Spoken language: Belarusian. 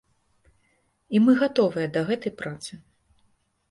І мы гатовыя да гэтай працы.